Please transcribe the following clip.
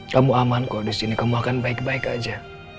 kamu aman kok di sini kamu akan baik baik aja